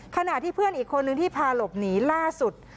ขณะที่เพื่อนอีกคนนึงที่พาหลบหนีล่าสุด